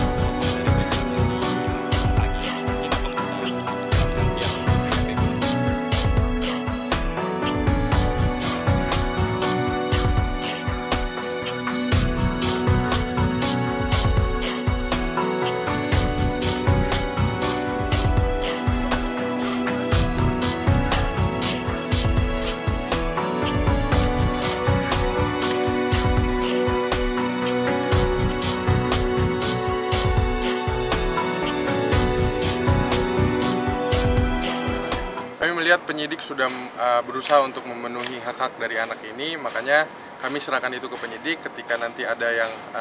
saya melihat penyidik sudah berusaha untuk memenuhi hak hak dari anak ini makanya kami serahkan itu ke penyidik ketika nanti ada yang